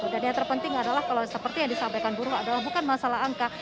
dan yang terpenting adalah kalau seperti yang disampaikan buruk adalah bukan masalah angka